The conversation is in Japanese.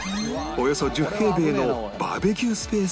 およそ１０平米のバーベキュースペースも完備